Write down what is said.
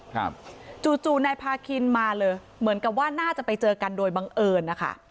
จู่จู่นายพาคินมาเลยเหมือนกับว่าน่าจะไปเจอกันโดยบังเอิญนะคะ